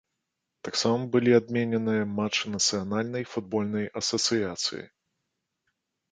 Таксама былі адмененыя матчы нацыянальнай футбольнай асацыяцыі.